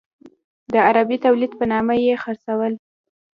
د عربي تولید په نامه یې خرڅول.